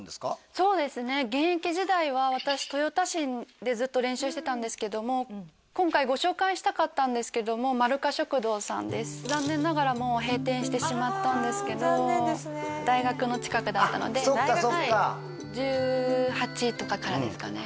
そうですね現役時代は私豊田市でずっと練習してたんですけども今回ご紹介したかったんですけどもまるか食堂さんです残念ながらもう閉店してしまったんですけど大学の近くだったのであっそっかそっか１８とかからですかね